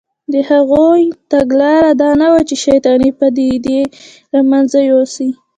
د هغوی تګلاره دا نه وه چې شیطانې پدیدې له منځه یوسي